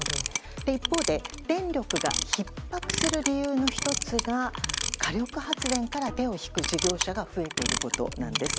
一方で、電力がひっ迫する理由の１つが火力発電から手を引く事業者が増えていることなんです。